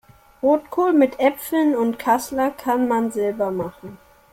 Rotkohl mit Äpfeln und Kassler kann man selber machen.